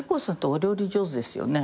お料理上手ですよね。